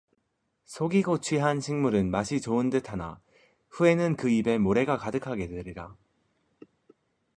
속이고 취한 식물은 맛이 좋은듯하나 후에는 그 입에 모래가 가득하게 되리라